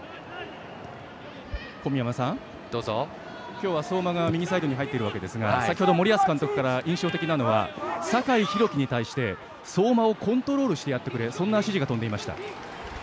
今日は相馬が右サイドに入ってますが先ほど森保監督から印象的なのは酒井宏樹に対して相馬をコントロールしてやってくれそんな指示が飛んでいました。